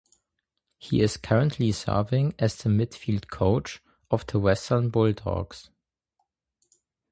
He is currently serving as the midfield coach of the Western Bulldogs.